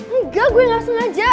enggak gue gak sengaja